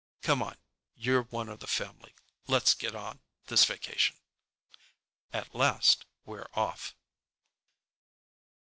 "Come on. You're one of the family. Let's get on this vacation." At last we're off.